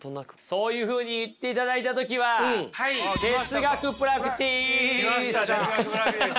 そういうふうに言っていただいた時は来ました哲学プラクティス。